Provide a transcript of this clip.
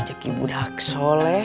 rejeki budak soleh